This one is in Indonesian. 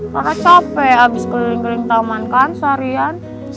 rana capek abis keliling keliling taman kan seharian